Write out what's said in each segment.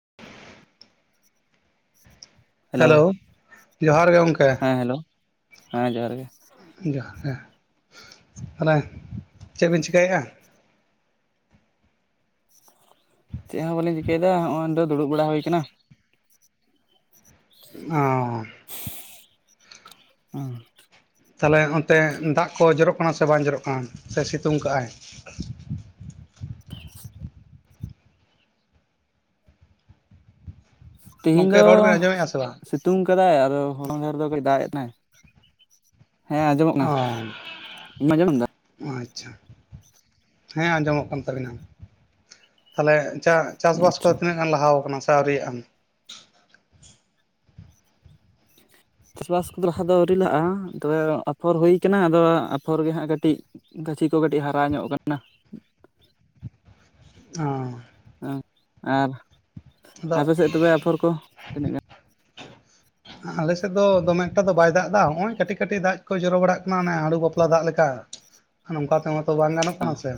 ᱻ ᱦᱮᱞᱳ ᱡᱚᱦᱟᱨ ᱜᱮ ᱜᱚᱢᱠᱮ ᱦᱮᱸ ᱦᱮᱞᱳ ᱦᱮᱸ ᱡᱚᱦᱟᱨ ᱜᱮ ᱜᱚᱢᱠᱮ ᱡᱚᱦᱟᱨ ᱜᱮ ᱦᱞᱮ ᱪᱮᱫ ᱵᱤᱱ ᱪᱤᱠᱟᱹᱭᱮᱫᱼᱟ ᱪᱮᱫ ᱦᱚᱸ ᱵᱟᱹᱞᱤᱧ ᱪᱤᱠᱟᱹᱭᱮᱫᱟ ᱱᱚᱜᱚᱭᱰᱮ ᱫᱩᱲᱩᱵᱲᱟ ᱦᱩᱭᱟᱠᱟᱱᱟ ᱚ ᱦᱩᱸ ᱛᱟᱦᱚᱞᱮ ᱚᱱᱛᱮ ᱫᱟᱜ ᱠᱚ ᱡᱚᱨᱚᱜ ᱠᱟᱱᱟ ᱥᱮ ᱵᱟᱝ ᱡᱚᱨᱚᱜ ᱠᱟᱱᱟ ᱥᱮ ᱥᱤᱛᱩᱝ ᱠᱟᱜ ᱟᱭ [unintelligible] ᱛᱮᱤᱦᱤᱧ ᱜᱚᱢᱠᱮ ᱫᱚ ᱨᱚᱲ ᱵᱮᱱ ᱟᱸᱡᱚᱢᱮᱫᱼᱟ ᱥᱮ ᱵᱟᱝ ᱥᱤᱛᱩᱝ ᱠᱟᱫᱟᱭ ᱟᱫᱚ ᱦ ᱫᱷᱟᱨ ᱫᱚ ᱠᱟᱹᱡ ᱫᱟᱜ ᱮᱫ ᱮ ᱦᱮᱸ ᱟᱸᱡᱚᱢᱚᱜ ᱢᱮ ᱚ ᱤᱧ ᱢᱟᱡᱚᱢᱚ ᱮᱫᱟ ᱟᱪᱪᱷᱟ ᱦᱮᱸ ᱟᱸᱡᱚᱢᱚᱜ ᱠᱟᱱ ᱛᱟᱵᱤᱱᱟ ᱛᱟᱦᱚᱞᱮ ᱪᱟᱥᱵᱟᱥ ᱠᱚ ᱟᱪᱪᱷᱟ ᱛᱤᱱᱟᱹᱜ ᱜᱟᱱ ᱞᱟᱦᱟ ᱠᱟᱱᱟ ᱥᱮ ᱣᱨᱤᱭᱟᱼᱟ ᱪᱟᱥᱵᱟᱥ ᱠᱚᱫᱚ ᱞᱟᱦᱟ ᱫᱚ ᱣᱨᱤᱞᱟᱜᱼᱟ ᱛᱚᱵᱮ ᱟᱯᱷᱚᱨ ᱦᱩᱭ ᱠᱟᱱᱟ ᱟᱫᱚ ᱟᱯᱷᱚᱨ ᱜᱮ ᱦᱟᱸᱜ ᱠᱟᱹᱴᱤᱡ ᱪᱟᱹᱪᱷᱤ ᱠᱚ ᱠᱟᱹᱴᱤᱡ ᱦᱟᱨᱟ ᱧᱚᱜ ᱟᱠᱟᱱᱟ ᱚ ᱦᱮᱸ ᱟᱨ ᱟᱫᱚ ᱟᱯᱮ ᱥᱮᱫ ᱛᱚᱵᱮ ᱟᱯᱷᱚᱨ ᱠᱚ ᱛᱤᱱᱟᱹᱜ ᱜᱟᱱ ᱟᱞ ᱥᱮᱫ ᱫᱚᱢᱮ ᱮᱠᱴᱟ ᱫᱚ ᱵᱟᱭ ᱫᱟᱜ ᱮᱫᱟ ᱱᱚᱜᱼᱚᱭ ᱠᱟᱹᱴᱤᱡ ᱠᱟᱹᱴᱤᱡ ᱫᱟᱜ ᱠᱚ ᱡᱚᱨᱚ ᱵᱟᱲᱟᱜ ᱠᱟᱱᱟ ᱚᱱᱮ ᱦᱟᱹᱲᱩ ᱵᱟᱯᱞᱟ ᱫᱟᱜ ᱞᱮᱠᱟ ᱱᱚᱝᱠᱟ ᱛᱮᱦᱛᱚ ᱵᱟᱝ ᱜᱟᱱᱚᱜ ᱠᱟᱱᱟ ᱥᱮ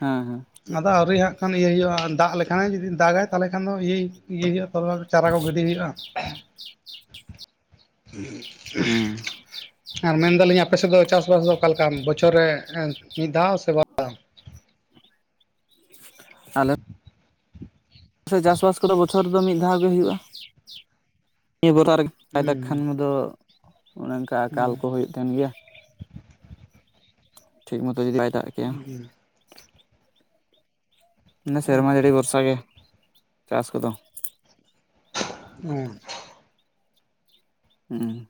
ᱦᱮᱸ ᱦᱮᱸ ᱟᱫᱚ ᱟᱹᱣᱨᱤ ᱦᱟᱸᱜ ᱠᱷᱟᱱ ᱤᱭᱟᱹᱭ ᱦᱩᱭᱩᱜᱼᱟ ᱫᱟᱜ ᱞᱮᱠᱷᱟᱱᱮ ᱡᱩᱫ ᱫᱟᱜᱟᱭ ᱛᱟᱦᱚᱞᱮ ᱠᱷᱟᱱ ᱫᱚ ᱤᱭᱟᱹ ᱤᱭᱟᱹ ᱦᱩᱭᱩᱜᱼᱟ ᱛ ᱪᱟᱨᱟ ᱠᱚ ᱜᱤᱰᱤ ᱦᱩᱭᱩᱜᱼᱟ ᱦᱩᱸ ᱟᱨ ᱢᱮᱱᱫᱟᱞᱤᱧ ᱟᱯᱮ ᱥᱮᱫ ᱫᱚ ᱪᱟᱥᱼᱵᱟᱥ ᱫᱚ ᱚ ᱵᱚᱪᱷᱚᱨ ᱨᱮ ᱢᱤᱫ ᱫᱷᱟᱣ ᱥᱮ ᱵᱟ ᱫᱷᱟ ᱥᱮ ᱪᱟᱥᱼᱵᱟᱥ ᱠᱚᱫᱚ ᱵᱚᱪᱷᱚᱨ ᱨᱮᱫᱚ ᱢᱤᱫ ᱫᱷᱟᱣ ᱜᱮ ᱦᱩᱭᱩᱜᱼᱟ ᱱᱤᱭᱟᱹ ᱵᱚᱨᱟ ᱠᱟᱭᱫᱟ ᱠᱷᱟᱱ ᱦᱩᱸ ᱫᱚ ᱚᱱᱮ ᱚᱱᱠᱟ ᱟᱠᱟᱞ ᱦᱩᱸ ᱠᱚ ᱦᱩᱭᱩᱜ ᱛᱟᱦᱮᱱ ᱜᱮᱭᱟ ᱴᱷᱤᱠ ᱢᱚᱛᱚ ᱡᱫᱤ ᱟ ᱫᱟᱜ ᱠᱮᱼᱟ ᱦᱩᱸ ᱱᱮ ᱥᱮᱨᱢᱟ ᱡᱟᱹᱲᱤ ᱵᱷᱚᱨᱥᱟ ᱜᱮ ᱪᱟᱥ ᱠᱚᱫᱚ ᱦᱩᱸ ᱦᱮᱸ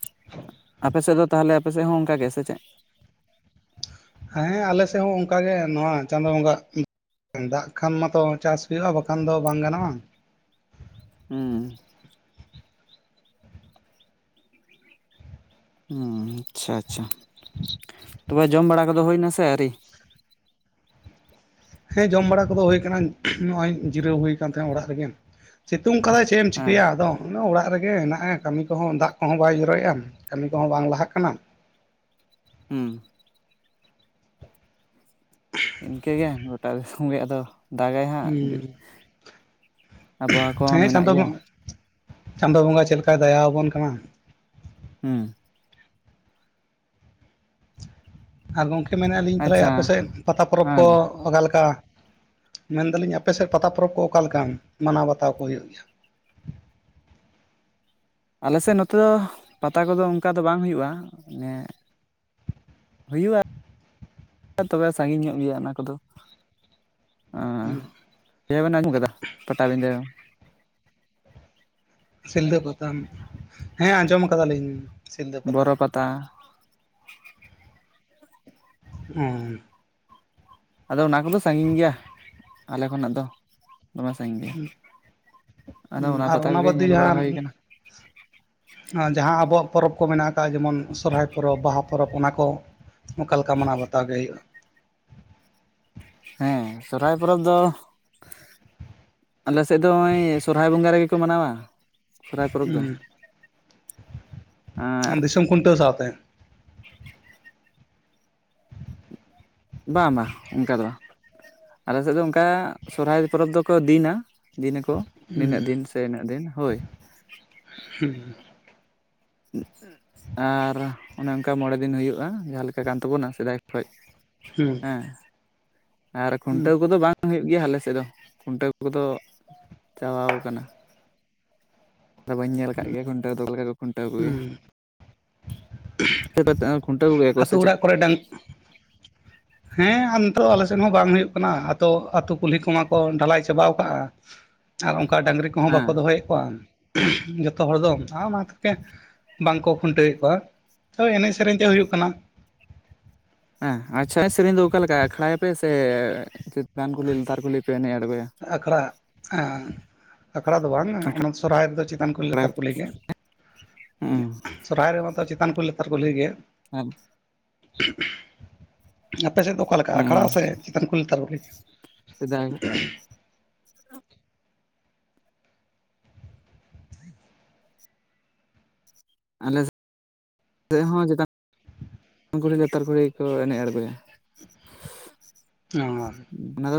[unintelligible] ᱟᱯᱮ ᱥᱮᱫ ᱫᱚ ᱛᱟᱦᱞᱮ ᱟᱯᱮ ᱥᱮᱫ ᱦᱚᱸ ᱚᱱᱠᱟ ᱜᱮ ᱥᱮ ᱪᱮᱫ ᱦᱮᱸ ᱟᱞᱮ ᱥᱮᱫ ᱦᱚᱸ ᱚᱱᱠᱟᱜᱮ ᱱᱚᱣᱟ ᱪᱟᱸᱫᱳ ᱵᱚᱸᱜᱟ ᱫᱟᱜ ᱠᱷᱟᱱ ᱢᱟᱛᱚ ᱪᱟᱥ ᱦᱩᱭᱩᱜᱼᱟ ᱵᱟᱠᱷᱟᱱ ᱫᱚ ᱵᱟᱝ ᱜᱟᱱᱚᱜᱼᱟ ᱦᱮᱸ ᱦᱩᱸ ᱟᱪᱪᱷᱟ ᱟᱪᱪᱷᱟ ᱛᱚᱵᱮ ᱡᱚᱢ ᱵᱟᱲᱟ ᱠᱚᱫᱚ ᱦᱩᱭ ᱱᱟ ᱥᱮ ᱟᱹᱳᱨᱤ ᱦᱮᱸ ᱡᱚᱢ ᱵᱟᱲᱟ ᱠᱚᱫᱚ ᱦᱩᱭ ᱠᱟᱱᱟ ᱱᱚᱜᱼᱚᱭ ᱡᱤᱨᱟᱹᱣ ᱦᱩᱭ ᱟᱠᱱ ᱛᱟᱦᱮᱸᱦᱱᱟ ᱚᱲᱟᱜ ᱨᱮᱜᱮ ᱪᱮᱫ ᱥᱤᱝ ᱟᱫ ᱪᱮᱫ ᱮᱢ ᱦᱮᱸ ᱪᱤᱠᱟᱹᱭᱟ ᱟᱫᱚ ᱚᱲᱟᱜ ᱫᱟᱜ ᱨᱮᱜᱮ ᱦᱮᱱᱟᱜᱼᱟ ᱠᱟᱹᱢᱤ ᱠᱚᱦᱚᱸ ᱫᱟᱜ ᱠᱚᱦᱚᱸ ᱵᱟᱭ ᱡᱚᱨᱚᱭᱮᱫᱼᱟ ᱠᱟᱹᱢᱤ ᱠᱚᱦᱚᱸ ᱵᱟᱝ ᱞᱟᱦᱟᱜ ᱠᱟᱱᱟ ᱦᱩᱸ ᱤᱱᱠᱟᱹᱜᱮ ᱜᱳᱴᱟ ᱥᱚᱸᱜᱮ ᱟᱫᱚ ᱫᱟᱜᱟᱭ ᱦᱟᱸᱜ ᱦᱩᱸ ᱟᱨ ᱵ ᱦᱟ ᱠᱚ ᱦᱮᱸ ᱢᱮᱱᱟᱜ ᱪᱟᱸᱫᱳ ᱜᱮᱭᱟ ᱪᱟᱸᱫᱳ ᱵᱚᱸᱜᱟ ᱪᱮᱫᱠᱟᱭ ᱫᱟᱭᱟ ᱟᱵᱚᱱ ᱠᱟᱱᱟ ᱦᱩᱸ ᱟᱨ ᱜᱚᱝᱠᱮ ᱢᱮᱱᱮᱫᱼᱟ ᱞᱤᱧ ᱛᱟᱦᱚᱞᱮ ᱟᱪᱪᱷᱟ ᱟᱯᱮᱮᱥᱮᱫ ᱯᱟᱛᱟ ᱯᱚᱨᱚᱵᱽ ᱦᱮᱸ ᱚᱠᱟ ᱞᱮᱠᱟ ᱢᱮᱱᱫᱟᱞᱤᱧ ᱟᱯᱮ ᱥᱮᱫ ᱯᱟᱛᱟ ᱯᱚᱨᱚᱵᱽ ᱠᱚ ᱚᱠᱟᱞᱮ ᱞᱮᱠᱟ ᱢᱟᱱᱟᱣ ᱵᱟᱛᱟᱣ ᱠᱚ ᱦᱩᱭᱩᱜ ᱜᱮᱭᱟ [unintelligible] ᱟᱞᱮ ᱥᱮᱫ ᱱᱚᱛᱮ ᱫᱚ ᱯᱟᱛᱟ ᱠᱚᱫᱚ ᱚᱱᱠᱟ ᱫᱚ ᱵᱟᱝ ᱦᱩᱭᱩᱜᱼᱟ ᱢᱟᱱᱮ ᱦᱩᱭᱩᱜᱼᱟ ᱛᱚᱵᱮ ᱥᱟᱺᱜᱤᱧ ᱧᱚᱜ ᱜᱮᱭᱟ ᱚᱱᱟ ᱠᱚᱫᱚ ᱩ ᱡ ᱱᱟᱜᱩ ᱠᱟᱫᱟ ᱯᱴᱵᱤᱱᱫᱟᱹ ᱥᱤᱞᱫᱟᱹ ᱯᱟᱛᱟᱢ ᱦᱮᱸ ᱟᱸᱡᱚᱢ ᱟᱠᱟᱫᱟᱞᱤᱧ ᱵᱚᱨᱚ ᱯᱟᱛᱟ [inaudible] ᱟᱫᱚ ᱚᱱᱟ ᱠᱚᱫᱚ ᱥᱟᱺᱜᱤᱧ ᱜᱮᱭᱟ ᱟᱞᱮ ᱠᱷᱚᱱᱟᱜ ᱫᱚ ᱫᱚᱢᱮ ᱥᱟᱺᱜᱤᱧ ᱜᱮᱭᱟ ᱟᱫᱚ ᱦ ᱟᱨ ᱯᱟᱛᱟ ᱚᱱᱟ ᱠᱚᱜᱮ ᱵᱟᱫᱽᱮ ᱧᱮᱞ ᱵᱟᱲᱟ ᱡᱟᱦᱟᱸ ᱦᱩᱭ ᱠᱟᱱᱟ ᱡᱟᱦᱟᱸ ᱟᱵᱚᱣᱟᱜ ᱯᱚᱨᱚᱵᱽ ᱠᱚ ᱢᱮᱱᱟᱜ ᱟᱠᱟᱫ ᱡᱮᱢᱚᱱ ᱥᱚᱨᱚᱦᱟᱭ ᱯᱚᱨᱚᱵᱽ ᱵᱟᱦᱟ ᱯᱚᱨᱚᱵᱽ ᱚᱱᱟ ᱠᱚ ᱚᱱᱠᱟ ᱞᱮᱠᱟ ᱢᱟᱱᱟᱣ ᱵᱟᱛᱟᱣ ᱜᱮ ᱦᱩᱭᱩᱜᱼᱟ ᱦᱮᱸ ᱥᱚᱨᱚᱦᱦᱟᱭ ᱯᱚᱨᱚᱵᱽ ᱫᱚ ᱟᱞᱮ ᱥᱮᱫ ᱫᱚ ᱱᱚᱜᱼᱚᱭ ᱥᱚᱨᱚᱦᱨᱟᱭ ᱵᱚᱸᱜᱟ ᱨᱮᱜᱮ ᱠᱚ ᱢᱟᱱᱟᱣᱟ ᱥᱚᱨᱚᱦᱟᱭ ᱯᱚᱨᱚᱵᱽ ᱫᱚ ᱟᱨ ᱫᱤᱥᱚᱢ ᱠᱷᱩᱱᱴᱟᱹᱣ ᱥᱟᱣᱛᱮ ᱵᱟᱝ ᱵᱟᱝ ᱚᱱᱠᱟ ᱫᱚ ᱟᱞᱮ ᱥᱮᱫ ᱫᱚ ᱚᱱᱠᱟ ᱥᱚᱨᱦᱟᱭ ᱯᱚᱨᱚᱵᱽ ᱫᱚᱠᱚ ᱫᱤᱱᱟ ᱫᱤᱱ ᱟᱠᱚ ᱦᱩᱸ ᱱᱤᱱᱟᱹᱜ ᱫᱤᱱ ᱥᱮ ᱤᱱᱟᱹᱜ ᱫᱤᱱ ᱦᱳᱭ ᱦᱩᱸ ᱦᱮᱸ ᱟᱨ ᱚᱱᱮ ᱚᱱᱠᱟ ᱢᱚᱬᱮ ᱫᱤᱱ ᱦᱩᱭᱩᱜᱼᱟ ᱡᱟᱦᱟᱸᱮᱠᱟ ᱠᱟᱱ ᱛᱟᱵᱚᱱᱟ ᱥᱮᱫᱟᱭ ᱠᱷᱚᱱ ᱦᱮᱸ ᱟᱨ ᱦᱩᱸ ᱠᱷᱩᱱᱴᱟᱹᱣ ᱠᱚᱫᱚ ᱵᱟᱝ ᱦᱩᱭᱩᱜ ᱠᱟᱱᱟ ᱜᱮᱭᱟ ᱟᱞᱮ ᱥᱮᱫ ᱫᱚ ᱠᱷᱩᱱᱴᱟᱹᱣ ᱠᱚᱫᱚ ᱪᱟᱵ ᱠᱟᱱᱟ ᱟᱫᱚ ᱵᱟᱹᱧ ᱧᱮᱞ ᱠᱫ ᱜᱮᱭᱟ ᱠᱷᱩᱱᱴᱟᱹᱣ ᱫᱚ ᱞᱮᱠᱟ ᱠᱚ ᱠᱷᱩᱱᱴᱟᱹᱣ ᱠᱚ ᱜᱮᱭᱟ ᱠᱷᱩᱱᱴᱟ ᱠᱚ ᱜᱮᱭᱟ ᱠᱚ ᱟᱛᱳ ᱥᱮᱪᱮᱫ ᱚᱲᱟᱜ ᱠᱚᱨᱮ ᱰᱟᱝ ᱦᱮᱸ ᱱᱤᱛᱚ ᱟᱞᱮ ᱥᱮᱫ ᱦᱚᱸ ᱵᱟᱝ ᱦᱩᱭᱩᱜ ᱠᱟᱱᱟ ᱟᱹᱛᱩᱳ ᱠᱩᱞᱦᱤ ᱠᱚᱢᱟ ᱠᱚ ᱰᱷᱟᱞᱟᱭ ᱪᱟᱵᱟᱣ ᱠᱟᱜᱼᱟ ᱟᱨ ᱚᱱᱠᱟ ᱰᱟᱝᱨᱤ ᱠᱚᱦᱚᱸ ᱦᱮᱸ ᱵᱟᱠᱚ ᱫᱚᱦᱚᱭᱮᱫ ᱠᱚᱣᱟ ᱡᱚᱛᱚ ᱦᱚᱲ ᱫᱚ ᱚᱱᱟ ᱠᱚᱜᱮ ᱵᱟᱝᱠᱚ ᱠᱷᱩᱱᱴᱟᱹᱣᱮᱫ ᱠᱚᱣᱟ ᱛᱚ ᱮᱱᱮᱡ ᱥᱮᱨᱮᱧ ᱛᱮ ᱦᱩᱭᱩᱜ ᱠᱟᱱᱟ [inaudible] ᱦᱮᱸ ᱟᱪᱪᱷᱟ ᱮᱱᱮᱡ ᱥᱮᱨᱮᱧ ᱫᱚ ᱚᱠᱟᱞ ᱞᱮᱠᱟ ᱟᱠᱷᱲᱟᱭᱟᱯᱮ ᱥᱮ ᱪᱮᱛᱟᱱ ᱠᱩᱞᱤ ᱞᱟᱛᱟᱨ ᱠᱩᱞᱤ ᱯᱮ ᱮᱱᱮᱡᱼᱟ ᱟᱠᱷᱲᱟ ᱦᱮᱸ ᱟᱠᱷᱲᱟ ᱫᱚ ᱵᱟᱝ ᱚᱱᱟ ᱥᱚᱨᱦᱟᱭ ᱨᱮᱫᱚ ᱪ ᱪᱮᱛᱟᱱ ᱠᱚᱦᱞᱤ ᱟᱠᱷᱲᱟ ᱞᱟᱛᱟᱨ ᱜᱮ ᱦᱩᱸ ᱥᱚᱨᱚᱦᱟᱭ ᱨᱮᱢᱟᱛᱚ ᱪᱮᱛᱟᱱ ᱠᱚᱦᱞᱤ ᱞᱟᱛᱟᱨ ᱠᱩᱞᱦᱤ ᱜᱮ [unintelligible] ᱦ ᱟ ᱟᱯᱮᱥᱮᱫ ᱫᱚ ᱚᱠᱟ ᱞᱮᱠᱟ ᱦᱩᱸ ᱟᱠᱷᱲᱟ ᱥᱮ ᱪᱮᱛᱟᱱ ᱠᱩᱞᱦᱤ ᱞᱟᱛᱟᱨ ᱠᱩᱞᱦᱤ ᱥᱮᱫᱟᱭ ᱟᱞᱮ ᱥᱮᱫ ᱦᱚᱸ ᱪᱮᱛᱟᱱ ᱪᱮᱛᱟᱱ ᱠᱩᱞᱦᱤ ᱞᱟᱛᱟᱨ ᱠᱩᱞᱦᱤ ᱠᱚ ᱮᱱᱮᱡ ᱟᱲᱜᱚᱭᱟ ᱚ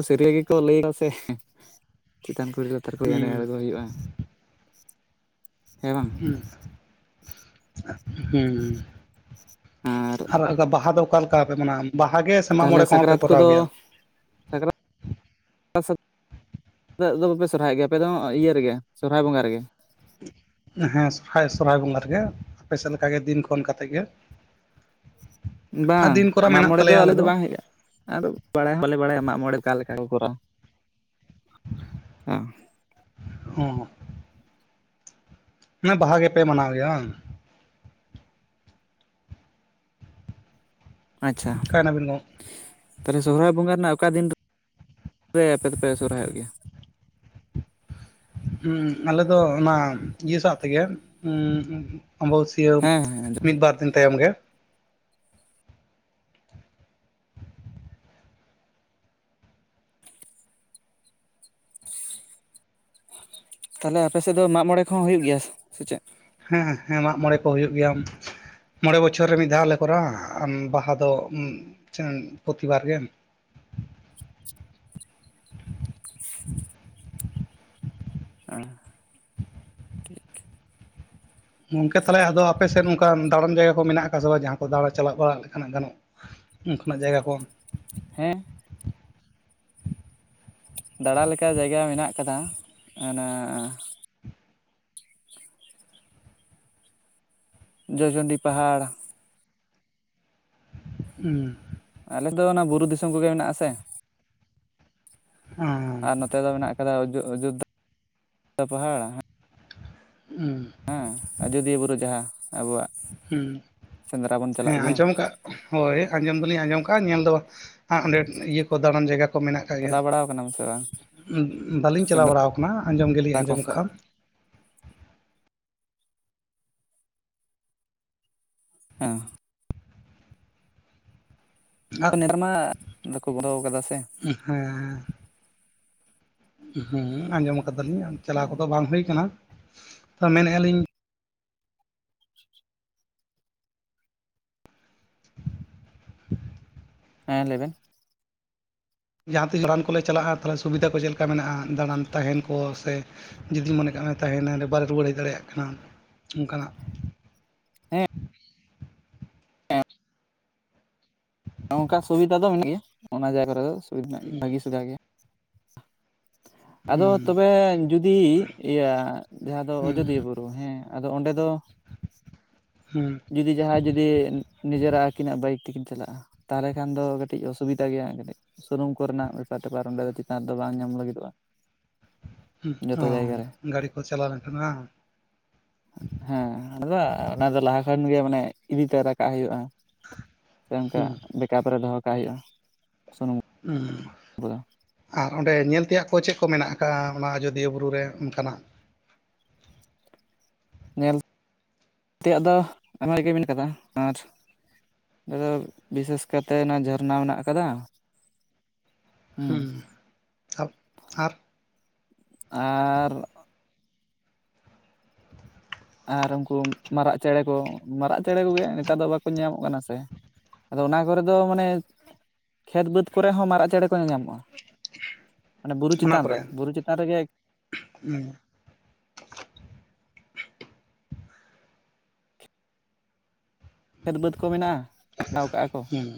ᱥᱟᱹᱨᱭᱟᱹ ᱜᱮᱠᱚ ᱞᱟᱹᱭᱫᱟ ᱥᱮ ᱪᱮᱛᱟᱱ ᱠᱚᱤ ᱞᱟᱛᱟᱨ ᱠᱚ ᱦᱩᱸ ᱮᱱᱮᱡ ᱟᱬᱜᱚ ᱦᱩᱭᱩᱜᱼᱟ ᱦᱮᱸ ᱵᱟᱝ ᱟᱨ ᱦᱮᱸ ᱟᱨ ᱵᱟᱦᱟ ᱫᱚ ᱚᱠᱟᱞᱮᱠᱟ ᱯᱮ ᱢᱟᱱᱟᱣ-ᱟ ᱵᱟᱦᱟ ᱜᱮ ᱥᱮ ᱢᱟᱜ ᱛᱟᱦᱚᱞᱮ ᱢᱚᱬᱮ ᱠᱚᱦᱚᱸ ᱯᱮ ᱥᱟᱠᱨᱟᱛ ᱠᱚᱨᱟᱣ ᱠᱚᱫᱚ ᱜᱮᱭᱟ ᱱᱤᱛᱟᱜ ᱫᱚ ᱵᱟᱯᱮ ᱥᱚᱨᱦᱟᱭᱚᱜ ᱜᱮᱭᱟ ᱟᱯᱮ ᱫᱚ ᱤᱭᱟᱹ ᱨᱮᱜᱮ ᱥᱚᱨᱦᱟᱭ ᱵᱚᱸᱜᱟ ᱨᱮᱜᱮ ᱦᱮᱸ ᱥᱚᱨᱦᱟᱭ ᱥᱚᱨᱚᱦᱦᱟᱭ ᱵᱚᱸᱜᱟ ᱨᱮᱜᱮ ᱟᱯᱮ ᱥᱮᱫ ᱞᱮᱠᱟᱜᱮ ᱫᱤᱱ ᱠᱷᱚᱱ ᱠᱟᱛᱮᱜ ᱜᱮ [inaudible] ᱟᱨ ᱵᱟᱝ ᱫᱤᱱ ᱠᱚᱨᱟ ᱢᱟᱜ ᱢᱮᱱᱟᱜ ᱢᱚᱬᱮ ᱫᱚ ᱛᱟᱞᱮᱭᱟ ᱟᱞᱮ ᱫᱚ ᱵᱟᱝ ᱦᱩᱭᱩᱜ-ᱟ ᱟᱨ ᱵᱟᱲᱟᱭ ᱦᱚᱸᱞᱮ ᱵᱟᱲᱟᱭᱟ ᱢᱟᱜ ᱢᱚᱬᱮ ᱢᱚᱬᱮ ᱟᱠᱟ ᱞᱮᱠᱟ ᱠᱚ ᱠᱚᱨᱟᱣ-ᱟ ᱦᱮᱸ ᱦᱮᱸ ᱦᱮᱸ ᱵᱟᱦᱟ ᱜᱮᱯᱮ ᱢᱟᱱᱟᱣ ᱜᱮᱭᱟ ᱵᱟᱝᱟᱝ ᱟᱪᱪᱷᱟ ᱚᱠᱟᱭᱱᱟᱵᱤᱱ ᱜᱚ ᱛᱟᱦᱞᱮ ᱥᱚᱦᱦᱟᱭ ᱵᱚᱸᱜᱟ ᱨᱮᱱᱟᱜ ᱚᱠᱟ ᱫᱤᱱ ᱨᱮ ᱟᱯᱮ ᱫᱚᱯᱮ ᱥᱚᱨᱦᱟᱭᱚᱜ ᱜᱮᱭᱟ ᱦᱩᱸ ᱟᱞᱮ ᱫᱚ ᱚᱱᱟ ᱤᱭᱟᱹ ᱥᱟᱶᱟᱜ ᱛᱮᱜᱮ ᱟᱵᱟᱵᱚᱥᱤᱭᱟ ᱦᱮᱸ ᱦᱮᱸ ᱡᱚᱦᱟᱨ, ᱢᱤᱫ ᱵᱟᱨ ᱫᱤᱱ ᱛᱟᱭᱚᱢ ᱜᱮ ᱛᱟᱦᱞᱮ ᱟᱯᱮ ᱥᱮᱫ ᱫᱚ ᱢᱟᱜ ᱢᱚᱬᱮ ᱠᱚᱦᱚᱸ ᱦᱩᱭᱩᱜ ᱜᱮᱭᱟ ᱥᱮ ᱪᱮᱫ ᱦᱮᱸ ᱦᱮᱸ ᱢᱟᱜ ᱢᱚᱬᱮ ᱠᱚ ᱦᱩᱭᱩᱜ ᱜᱮᱭᱟ ᱢᱚᱬᱮ ᱵᱚᱪᱷᱚᱨ ᱨᱮ ᱢᱤᱫ ᱫᱷᱟᱣᱞ ᱞᱮ ᱠᱚᱨᱟᱣᱟ ᱵᱟᱦᱟ ᱫᱚ ᱯᱨᱚᱛᱤᱵᱟᱨ ᱜᱮ [inaudible] ᱚ ᱴᱷᱤᱠ ᱜᱚᱝᱠᱮ ᱛᱟᱦᱞᱮ ᱟᱫᱚ ᱟᱯᱮ ᱥᱮᱫ ᱚᱱᱠᱟ ᱫᱟᱬᱟᱱ ᱡᱟᱭᱜᱟ ᱠᱚ ᱢᱮᱱᱟᱜ ᱟᱠᱟᱫ ᱥᱮ ᱵᱟᱝ ᱡᱟᱦᱟᱸ ᱠᱚ ᱫᱟᱬᱟ ᱪᱟᱞᱟᱜ ᱵᱟᱲᱟᱜ ᱞᱮᱠᱟ ᱜᱟᱱᱚᱜ ᱩᱱ ᱠᱚᱱᱟᱜ ᱡᱟᱭᱜᱟ ᱠᱚ ᱦᱮᱸ ᱫᱟᱬᱟ ᱞᱮᱠᱟ ᱡᱟᱭᱜᱟ ᱢᱮᱱᱟᱜ ᱠᱟᱫᱟ ᱚᱱᱟ ᱡᱚᱭᱪᱚᱱᱰᱤ ᱯᱟᱦᱟᱲ ᱦᱮᱸ ᱟᱞᱮ ᱫᱚ ᱚᱱᱟ ᱵᱩᱨᱩ ᱫᱤᱥᱚᱢ ᱠᱚᱜᱮ ᱢᱮᱱᱟᱜ ᱥᱮ ᱟᱨ ᱱᱚᱛᱮ ᱫᱚ ᱢᱮᱱᱟᱜ ᱠᱟᱫᱟ ᱚᱡᱳᱫᱽᱫᱷᱟ ᱯᱟᱦᱟᱲ ᱦᱩᱸ ᱦᱮᱸ ᱟᱡᱚᱫᱤᱭᱟᱹ ᱵᱩᱨᱩ ᱡᱟᱦᱟᱸ ᱟᱵᱚᱣᱟᱜ ᱦᱮᱸ ᱥᱮᱸᱫᱽᱨᱟ ᱵᱚᱱ ᱦᱮᱸ ᱪᱟᱞᱟᱜ ᱜᱮᱭᱟ ᱟᱸᱡᱚᱢ ᱠᱟᱜ ᱦᱳᱭ ᱟᱸᱡᱚᱢ ᱫᱚᱞᱤᱧ ᱟᱸᱡᱚᱢ ᱠᱟᱜᱼᱟ ᱧᱮᱞ ᱫᱚ ᱵᱟᱝ ᱟ ᱚᱸᱰᱮ ᱤᱭᱟᱹ ᱠᱚ ᱫᱟᱬᱟᱱ ᱡᱟᱭᱜᱟᱠᱚ ᱪᱟᱞᱟᱣ ᱵᱟᱲᱟᱣ ᱠᱟᱱᱟᱢ ᱥᱮ ᱵᱟᱝ ᱵᱟᱹᱞᱤᱧ ᱪᱟᱞᱟᱣ ᱥᱮᱸᱫᱽᱨᱟ ᱵᱟᱲᱟᱣ ᱠᱟᱱᱟ ᱟᱸᱡᱚᱢ ᱜᱮᱞᱤᱧ ᱠᱚ ᱟᱸᱡᱚᱢ ᱠᱟᱜᱼᱟ ᱦᱮᱸ ᱟᱨ [unintelligible] ᱢᱟ ᱵᱟᱠᱚ ᱜᱚᱲᱚ ᱠᱟᱫᱟ ᱥᱮ ᱦᱮᱸ ᱦᱮᱸ ᱟᱸᱡᱚᱢ ᱠᱟᱫᱟᱞᱤᱧ ᱪᱟᱞᱟᱣ ᱠᱚᱫᱚ ᱵᱟᱝ ᱦᱩᱭ ᱠᱟᱱᱟ ᱛᱚ ᱢᱮᱱᱮᱜᱼᱟ ᱞᱤᱧ ᱦᱮᱸ ᱞᱟᱹᱭ ᱵᱮᱱ ᱡᱟᱦᱟᱸ ᱛᱤᱥ ᱫᱟᱬᱟᱱ ᱠᱚᱞᱮ ᱪᱟᱞᱟᱜᱼᱟ ᱛᱟᱦᱚᱞᱮ ᱥᱩᱵᱤᱫᱷᱟ ᱠᱚ ᱪᱮᱫ ᱞᱮᱠᱟ ᱢᱮᱱᱟᱜᱼᱟ ᱫᱟᱬᱟᱱ ᱛᱟᱦᱮᱱ ᱠᱚ ᱥᱮ ᱡᱩᱫᱤ ᱢᱚᱱᱮ ᱛᱟᱦᱮᱱᱟᱭ ᱵᱟᱞᱮ ᱨᱩᱣᱟᱹᱲ ᱦᱮᱡ ᱫᱟᱲᱮᱭᱟᱜ ᱠᱟᱱᱟ ᱚᱱᱠᱟᱱᱟᱜ ᱦᱮᱸ ᱚᱱᱠᱟ ᱥᱩᱵᱤᱫᱷᱟ ᱫᱚ ᱢᱮᱱᱟᱜ ᱜᱮᱭᱟ ᱚᱱᱟ ᱡᱟᱭᱜᱟ ᱨᱮ ᱫᱚ ᱵᱷᱟᱹᱜᱤ ᱥᱩᱵᱤᱫᱷᱟ ᱜᱮᱭᱟ ᱟᱫᱚ ᱦᱩᱸ ᱛᱚᱵᱮ ᱡᱩᱫᱤ ᱤᱭᱟᱹ ᱡᱟᱦᱟᱸ ᱫᱚ ᱦᱩᱸ ᱟᱡᱚᱫᱤᱭᱟᱹ ᱵᱩᱨᱩ ᱦᱮᱸ ᱟᱫᱚ ᱚᱸᱰᱮ ᱫᱚ ᱦᱩᱸ ᱡᱩᱫᱤ ᱡᱟᱦᱟᱸ ᱡᱩᱫᱤ ᱱᱤᱡᱮᱨᱟᱜ ᱟᱹᱠᱤᱱᱟᱜ ᱵᱟᱭᱤᱠ ᱛᱮᱤᱠᱤᱱ ᱪᱟᱞᱟᱜᱼᱟ ᱛᱟᱦᱚᱞᱮ ᱠᱷᱟᱱ ᱫᱚ ᱠᱟᱹᱴᱤᱡ ᱚᱥᱩᱵᱤᱫᱟ ᱜᱮᱭᱟ ᱠᱟᱹᱴᱤᱡ ᱥᱩᱱᱩᱢ ᱠᱚᱨᱮᱱᱟᱜ ᱵᱮᱯᱟᱨ ᱴᱮᱯᱟᱨ ᱚᱸᱰᱮ ᱫᱚ ᱪᱮᱛᱟᱱ ᱨᱮ ᱫᱚ ᱵᱟᱝ ᱧᱟᱢ ᱞᱟᱹᱜᱤᱫᱚᱜᱼᱟ ᱡᱚᱛᱚ ᱡᱟᱭᱜᱟ ᱨᱮ [unintelligible] ᱜᱟᱹᱲᱤ ᱠᱚ ᱪᱟᱞᱟᱣ ᱞᱮᱱᱠᱷᱟᱱ ᱵᱟᱝ ᱦᱮᱸ ᱚᱱᱟ ᱫᱚ ᱚᱱᱟ ᱫᱚ ᱞᱟᱦᱟ ᱯᱷᱮᱱ ᱜᱮ ᱢᱟᱱᱮ ᱤᱫᱤ ᱛᱚᱨᱟ ᱨᱟᱠᱟᱵ ᱦᱩᱭᱩᱜᱼᱟ ᱥᱮ ᱚᱱᱠᱟ ᱦᱩᱸ ᱠᱟᱯ ᱨᱮ ᱫᱚᱦᱚ ᱠᱟᱜ ᱦᱩᱭᱩᱜᱼᱟ ᱥᱩᱱᱩᱢ ᱦᱮᱸ [unintelligible] ᱟᱨ ᱚᱸᱰᱮ ᱧᱮᱞ ᱛᱮᱭᱟᱜ ᱠᱚ ᱪᱮᱫ ᱠᱚ ᱢᱮᱱᱟᱜ ᱟᱠᱟᱟᱜᱼᱟ ᱚᱱᱟ ᱟᱡᱳᱫᱤᱭᱟᱹ ᱵᱩᱨᱩ ᱨᱮ ᱚᱱᱠᱟᱱᱟᱜ ᱧᱮᱞ ᱛᱮᱭᱟᱜ ᱫᱚ ᱟᱭᱢᱟ ᱨᱮᱜᱮ ᱢᱮᱱᱟᱜ ᱠᱟᱫᱟ ᱟᱨ ᱟᱫᱚ ᱵᱤᱥᱮᱥ ᱠᱟᱛᱮᱜ ᱚᱱᱟ ᱡᱚᱨᱱᱟ ᱢᱮᱱᱟᱜ ᱠᱟᱫᱟ ᱦᱮᱸ ᱟᱨ ᱟᱨ ᱟᱨ ᱩᱱᱠᱩ ᱢᱟᱨᱟᱜ ᱪᱮᱬᱮ ᱠᱚ ᱢᱟᱨᱟᱜ ᱪᱮᱬᱮ ᱠᱚᱜᱮ ᱱᱮᱛᱟᱨ ᱫᱚ ᱵᱟᱠᱚ ᱧᱟᱢᱚᱜ ᱠᱟᱱᱟ ᱥᱮ ᱟᱫᱚ ᱚᱱᱟ ᱠᱚᱨᱮ ᱫᱚ ᱢᱟᱱᱮ ᱠᱷᱮᱛ ᱵᱟᱹᱫᱽ ᱠᱚᱨᱮ ᱦᱚᱸ ᱢᱟᱨᱟᱜ ᱪᱮᱬᱮ ᱠᱚ ᱧᱮ ᱧᱟᱢᱚᱜᱼᱟ ᱢᱟᱱᱮ ᱵᱩᱨᱩ ᱪᱮᱛᱟᱱ ᱨᱮ ᱵᱩᱨᱩ ᱪᱮᱛᱟᱱ ᱨᱮᱜᱮ ᱦᱮᱸ ᱠᱷᱮᱛ ᱵᱟᱹᱫᱽ ᱠᱚ ᱢᱮᱱᱟᱜᱼᱟ ᱵᱮᱱᱟᱣ ᱠᱟᱜᱼᱟ ᱠᱚ ᱦᱩᱸ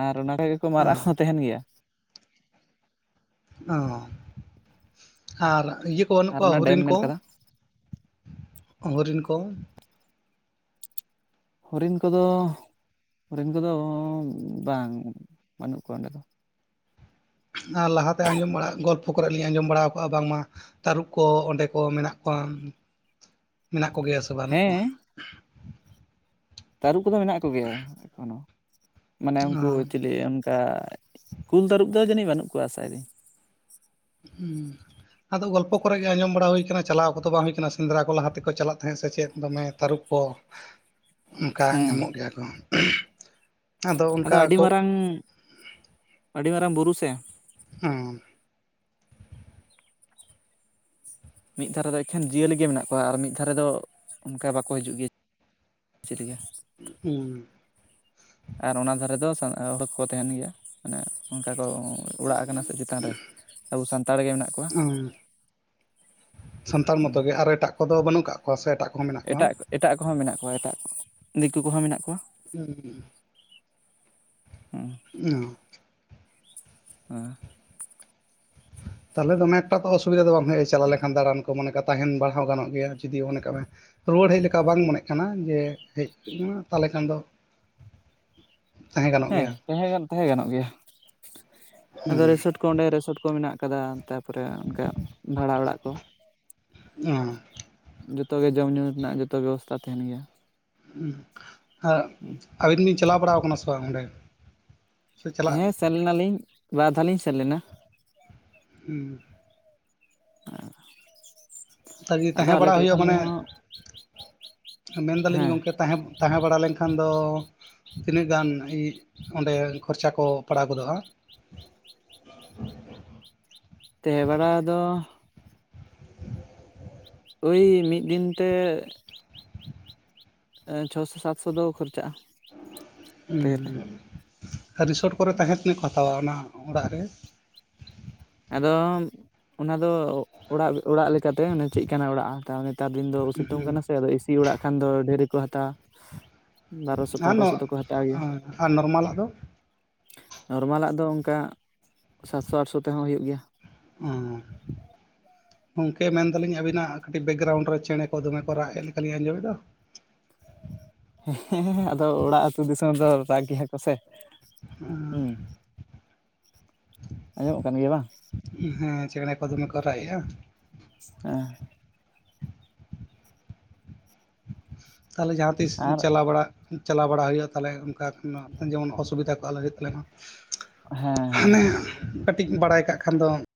ᱟᱨ ᱚᱱᱟ ᱠᱚᱨᱮ ᱠᱚ ᱢᱟᱨᱟᱜ ᱦᱚᱸ ᱛᱟᱦᱮᱱ ᱜᱮᱭᱟ ᱚ ᱟᱨ ᱤᱭᱟᱹ ᱠᱚ ᱵᱟᱹᱱᱩᱜ ᱟᱨ ᱠᱚᱣᱟ ᱚᱱᱟ ᱰᱮᱢ ᱦᱚᱨᱤᱱ ᱢᱮᱱ ᱠᱚ ᱠᱟᱫᱟ ᱦᱚᱨᱤᱱ ᱠᱚ ᱦᱚᱨᱤᱱ ᱠᱚᱫᱚ ᱦᱚᱨᱤᱱ ᱠᱚᱫᱚ ᱵᱟᱝ ᱵᱟᱹᱱᱩᱜ ᱠᱚᱣᱟ ᱚᱸᱰᱮ ᱫᱚ ᱟᱨ ᱞᱟᱦᱟᱛᱮ ᱟᱸᱡᱚᱢ ᱵᱟᱲᱟᱣ ᱜᱚᱞᱯᱷᱚ ᱠᱚᱨᱮ ᱞᱤᱧ ᱟᱸᱡᱚᱢ ᱵᱟᱲᱟ ᱠᱟᱜᱼᱟ ᱵᱟᱝᱢᱟ ᱛᱟᱹᱨᱩᱵᱽ ᱠᱚ ᱚᱸᱰᱮ ᱠᱚ ᱢᱮᱱᱟᱜ ᱠᱚᱣᱟ ᱢᱮᱱᱟᱜ ᱠᱚᱜᱮᱭᱟ ᱥᱮ ᱵᱟᱹᱱᱩᱜ ᱠᱚᱣᱟ ᱦᱮᱸ ᱛᱟᱹᱨᱩᱵ ᱠᱚᱫᱚ ᱢᱮᱱᱟᱜ ᱠᱚᱜᱮᱭᱟ ᱮᱠᱷᱚᱱᱳ ᱢᱟᱱᱮ ᱚ ᱩᱱᱠᱩ ᱪᱤᱞᱤ ᱚᱱᱠᱟ ᱠᱩᱞ ᱛᱟᱹᱨᱩᱵ ᱫᱚ ᱡᱟᱹᱱᱤᱡ ᱵᱟᱹᱱᱩᱜ ᱠᱚᱣᱟ ᱟᱥᱟᱭ ᱫᱤᱧ ᱦᱩᱸ ᱟᱫᱚ ᱜᱚᱞᱯᱚ ᱠᱚᱨᱮᱜ ᱜᱮ ᱟᱸᱡᱚᱢ ᱵᱟᱲᱟ ᱦᱩᱭ ᱟᱠᱟᱱᱟᱱᱟ ᱪᱟᱞᱟᱣ ᱠᱚᱫᱚ ᱵᱟᱝ ᱦᱩᱭ ᱠᱟᱱᱟ ᱥᱮᱸᱫᱽᱨᱟ ᱠᱚ ᱞᱟᱦᱟ ᱛᱮᱠᱚ ᱪᱟᱞᱟᱜ ᱛᱟᱦᱮᱸᱜ ᱥᱮ ᱪᱮᱫ ᱫᱚᱢᱮ ᱛᱟᱹᱨᱩᱵᱽ ᱠᱚ ᱚᱱᱠᱟ ᱦᱮᱸ ᱧᱟᱢᱚᱜ ᱜᱮᱭᱟ ᱠᱚ ᱟᱫᱚ ᱚᱱᱠᱟ ᱟᱹᱰᱤ ᱠᱚ ᱢᱟᱨᱟᱝ ᱟᱹᱰᱤ ᱢᱟᱨᱟᱝ ᱵᱩᱨᱩ ᱥᱮ ᱦᱮᱸ ᱢᱤᱫ ᱫᱷᱟᱨᱮ ᱫᱚ ᱮᱠᱷᱮᱱ ᱡᱤᱭᱟᱹᱞᱤ ᱜᱮ ᱢᱮᱱᱟᱜ ᱠᱚᱣᱟ ᱟᱨ ᱢᱤᱫ ᱫᱷᱟᱨᱮ ᱫᱚ ᱚᱱᱠᱟ ᱵᱟᱠᱚ ᱦᱤᱡᱩᱜ ᱜᱮᱭᱟ ᱪᱮᱫ ᱜᱮ ᱦᱩᱸ ᱟᱨ ᱚᱱᱟ ᱫᱷᱟᱨᱮ ᱫᱚ ᱦᱚᱲ ᱠᱚᱠᱚ ᱛᱟᱦᱮᱱ ᱜᱮᱭᱟ ᱢᱟᱱᱮ ᱚᱱᱠᱟ ᱠᱚ ᱚᱲᱟᱜ ᱠᱟᱱᱟ ᱥᱮ ᱪᱮᱛᱟᱱ ᱨᱮ ᱟᱵᱚ ᱥᱟᱱᱛᱟᱲ ᱜᱮ ᱢᱮᱱᱟᱜ ᱠᱚᱣᱟ ᱦᱩᱸ ᱥᱟᱱᱛᱟᱲ ᱢᱚᱛᱚ ᱜᱮ ᱟᱨᱚ ᱮᱴᱟᱜ ᱠᱚᱫᱚ ᱵᱟᱹᱱᱩᱜ ᱠᱟᱜ ᱠᱚᱣᱟ ᱥᱮ ᱮᱴᱟᱜ ᱠᱚ ᱮᱴᱟᱜ ᱮᱴᱟᱜ ᱠᱚᱦᱚᱸ ᱢᱮᱱᱟᱜ ᱠᱚᱣᱟ ᱮᱴᱟᱜ ᱫᱤᱠᱩ ᱠᱚᱦᱚᱸ ᱢᱮᱱᱟᱜ ᱠᱚᱣᱟ ᱦᱮᱸ ᱚ ᱦᱸ [inaudible] ᱛᱟᱦᱚᱞᱮ ᱫᱚᱢᱮ ᱮᱠᱴᱟ ᱛᱚ ᱚᱥᱩᱵᱷᱤᱫᱟ ᱫᱚ ᱵᱟᱝ ᱦᱩᱭᱩᱜᱼᱟ ᱪᱟᱞᱟᱣ ᱞᱮᱠᱷᱟᱱ ᱫᱟᱬᱟᱱ ᱠᱚ ᱢᱚᱱᱮ ᱛᱟᱦᱮᱱ ᱵᱟᱲᱦᱟᱣ ᱜᱟᱱᱚᱜ ᱜᱮᱭᱟ ᱡᱩᱫᱤ ᱢᱚᱱᱮ ᱠᱟᱜ ᱢᱮ ᱨᱩᱣᱟᱹᱲ ᱦᱮᱡ ᱞᱮᱠᱟ ᱵᱟᱝ ᱢᱚᱱᱮᱜ ᱠᱟᱱᱟ ᱡᱮ ᱦᱮᱡ ᱛᱟᱦᱚᱞᱮ ᱠᱷᱟᱱ ᱫᱚ [inaudible] ᱛᱟᱦᱮᱸ ᱜᱟᱱᱚᱜ ᱦᱮᱸ ᱜᱮᱭᱟ ᱛᱟᱦᱮᱸᱟᱱ ᱛᱟᱦᱮᱸ ᱜᱟᱱᱚᱜ ᱜᱮᱭᱟ ᱟᱫᱚ ᱨᱮᱥᱚᱨᱚᱴ ᱠᱚ ᱚᱸᱰᱮ ᱨᱮᱥᱚᱨᱴ ᱠᱚ ᱢᱮᱱᱟᱜ ᱠᱟᱫᱟ ᱛᱟᱨᱯᱚᱨᱮ ᱚᱱᱠᱟ ᱵᱷᱟᱲᱟ ᱚᱲᱟᱜ ᱠᱚ ᱚ ᱡᱚᱛᱚᱜᱮ ᱡᱚᱢᱼ ᱧᱩᱩ ᱨᱮᱱᱟᱜ ᱡᱚᱛᱚ ᱵᱮᱵᱚᱥᱛᱷᱟ ᱛᱟᱦᱮᱱ ᱜᱮᱭᱟ ᱦ ᱟᱹᱵᱤᱱ ᱵᱤᱱ ᱪᱟᱞᱟᱣ ᱵᱟᱲᱟᱣ ᱠᱟᱱᱟ ᱥᱮ ᱵᱟᱝ ᱚᱸᱰᱮ ᱥᱮ ᱪᱟᱞᱟᱜ ᱦᱮᱸ ᱥᱮᱱ ᱞᱮᱱᱟᱞᱤᱧ ᱵᱟᱨ ᱫᱷᱟᱣ ᱞᱤᱧ ᱥᱮᱱ ᱞᱮᱱᱟ ᱦᱮᱸ ᱟ ᱥᱟᱹᱨᱤ ᱛᱟᱦᱮᱸ ᱵᱟᱲᱟ ᱦᱩᱭᱩᱜᱼᱟ ᱢᱟᱱᱮ ᱢᱮᱱᱫᱟᱞᱤᱧ ᱦᱮᱸ ᱜᱚᱝᱠᱮ ᱛᱟᱦᱮᱸ ᱛᱟᱦᱮᱸ ᱵᱟᱲᱟ ᱞᱮᱱᱠᱷᱟᱱ ᱠᱷᱟᱱ ᱫᱚ ᱛᱤᱱᱟᱹᱜ ᱜᱟᱱ ᱚᱸᱰᱮ ᱠᱷᱚᱨᱪᱟ ᱠᱚ ᱯᱟᱲᱟᱣ ᱜᱚᱫᱚᱜᱼᱟ ᱛᱟᱦᱮᱸ ᱵᱟᱲᱟ ᱫᱚ ᱳᱭ ᱢᱤᱫ ᱫᱤᱱᱛᱮ ᱪᱷᱚ ᱥᱚ ᱥᱟᱛ ᱥᱚ ᱫᱚ ᱠᱷᱚᱨᱪᱟᱜᱼᱟ ᱛᱟᱦᱮᱸ ᱨᱮ ᱦᱮᱸ ᱨᱤᱥᱚᱨᱴ ᱠᱚᱨᱮ ᱛᱟᱦᱮᱸ ᱛᱤᱱᱟᱹᱜ ᱠᱚ ᱦᱟᱛᱟᱣᱟ ᱚᱱᱟ ᱚᱲᱟᱜ ᱨᱮ ᱟᱫᱚ ᱚᱱᱟᱫᱚ ᱚᱲᱟᱜ ᱚᱲᱟᱜ ᱞᱮᱠᱟᱛᱮ ᱪᱮᱫ ᱠᱟᱱᱟᱜ ᱚᱲᱟᱜ ᱦᱟᱛᱟᱣ ᱢᱮ ᱱᱮᱛᱟᱨ ᱫᱤᱱ ᱫᱚ ᱥᱤᱛᱩᱝ ᱠᱟᱱᱟ ᱥᱮ ᱮᱥᱤ ᱚᱲᱟᱜ ᱠᱷᱟᱱ ᱫᱚ ᱰᱷᱮᱨᱤ ᱠᱚ ᱦᱟᱛᱟᱣᱟ ᱵᱟᱨᱚ ᱥᱚ ᱟᱨ ᱯᱚᱱᱨᱚ ᱥᱚ ᱫᱚᱠᱚ ᱦᱟᱛᱟᱣ ᱜᱮᱭᱟ ᱟᱨ ᱱᱚᱨᱢᱟᱞᱟᱜ ᱫᱚ ᱱᱚᱨᱢᱟᱞᱟᱜ ᱫᱚ ᱚᱱᱠᱟ ᱥᱟᱛᱥᱚ ᱟᱴᱥᱚ ᱛᱮᱦᱚᱸ ᱦᱩᱭᱩᱜ ᱜᱮᱭᱟ ᱚ ᱜᱚᱢᱠᱮ ᱢᱮᱱ ᱫᱟᱞᱤᱧ ᱟᱵᱤᱱᱟᱜ ᱠᱟᱹᱴᱤᱡ ᱵᱮᱠᱜᱨᱟᱣᱩᱱᱰ ᱨᱮ ᱪᱮᱬᱮ ᱠᱚ ᱫᱚᱢᱮ ᱠᱚ ᱨᱟᱜ ᱮᱫ ᱞᱮᱠᱟᱞᱤᱧ ᱟᱸᱡᱚᱢᱮᱫ ᱫᱚ ᱦᱮᱸ ᱟᱫᱚ ᱚᱲᱟᱜ ᱟᱹᱛᱩ ᱫᱤᱥᱚᱢ ᱫᱚ ᱨᱟᱜ ᱜᱮᱭᱟ ᱠᱚ ᱥᱮᱮ ᱚ ᱟᱸᱡᱚᱢᱚᱜ ᱠᱟᱱ ᱜᱮᱭᱟ ᱵᱟᱝ ᱦᱮᱸ ᱪᱮᱬᱮ ᱠᱚ ᱫᱚᱢᱮᱠᱚ ᱨᱟᱜᱮ-ᱟ ᱦ ᱛᱟᱦᱚᱞᱮ ᱡᱟᱦᱟᱸ ᱛᱤᱥ ᱟᱨ ᱪᱟᱞᱟᱣ ᱵᱟᱲᱟᱜ ᱪᱟᱞᱟᱣ ᱵᱟᱲᱟ ᱦᱩᱭᱩᱜᱼᱟ ᱛᱟᱞᱮ ᱚᱱᱠᱟ ᱡᱮᱢᱚᱱ ᱚᱥᱩᱵᱤᱫᱟ ᱠᱚ ᱟᱞᱚ ᱦᱩᱭᱩᱜ ᱛᱟᱞᱮᱢᱟ ᱦᱮᱸ ᱦᱮᱸ ᱦᱟᱱᱮ ᱠᱟᱹᱴᱤᱡ ᱵᱟᱲᱟᱭ ᱠᱟᱜ ᱠᱷᱟᱱ ᱫᱚ